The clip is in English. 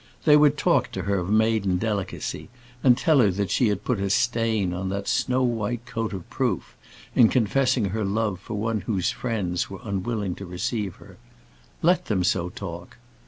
They would talk to her of maiden delicacy, and tell her that she had put a stain on that snow white coat of proof, in confessing her love for one whose friends were unwilling to receive her. Let them so talk.